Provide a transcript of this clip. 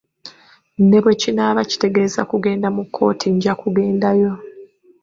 Ne bwe kinaaba kitegeeza kugenda mu kkooti, nja kugendayo.